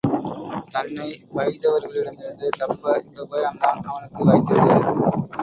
தன்னை வைதவர்களிடமிருந்து தப்ப இந்த உபாயம்தான் அவனுக்கு வாய்த்தது.